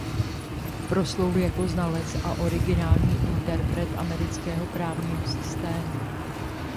Proslul jako znalec a originální interpret amerického právního systému.